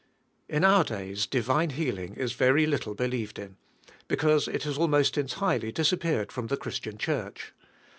In our days divine healing ia very Hi tie believed in, because it has almost en. tirely disappeared from the Christian Church.